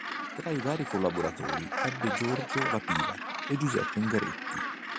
Tra i vari collaboratori ebbe Giorgio la Pira e Giuseppe Ungaretti.